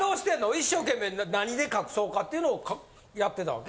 一生懸命何で隠そうかっていうのをやってたわけ？